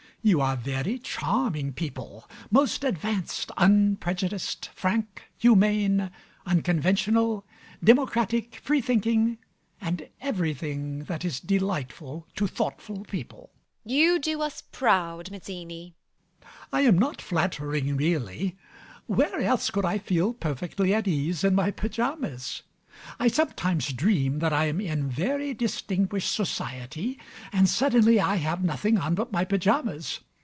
You are very charming people, most advanced, unprejudiced, frank, humane, unconventional, democratic, free thinking, and everything that is delightful to thoughtful people. MRS HUSHABYE. You do us proud, Mazzini. MAZZINI. I am not flattering, really. Where else could I feel perfectly at ease in my pyjamas? I sometimes dream that I am in very distinguished society, and suddenly I have nothing on but my pyjamas!